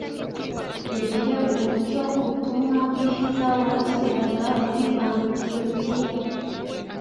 Igihe umucyo w’ubutumwa bwiza warasiraga muri Antiyokiya,